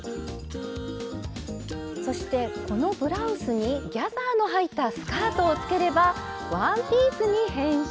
そしてこのブラウスにギャザーの入ったスカートをつければワンピースに変身！